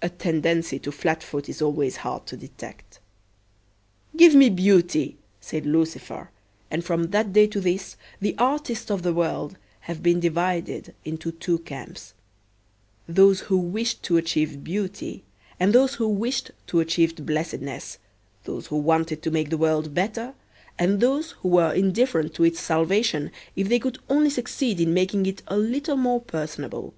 A tendency to flat foot is always hard to detect. "Give me Beauty," said Lucifer, and from that day to this the artists of the world have been divided into two camps those who wished to achieve beauty and those who wished to achieve blessedness, those who wanted to make the world better and those who were indifferent to its salvation if they could only succeed in making it a little more personable.